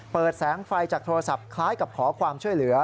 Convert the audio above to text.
แสงไฟจากโทรศัพท์คล้ายกับขอความช่วยเหลือ